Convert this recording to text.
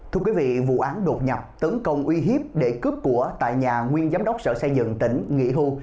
thưa quý vị vụ án đột nhập tấn công uy hiếp để cướp của tại nhà nguyên giám đốc sở xây dựng tỉnh nghỉ hưu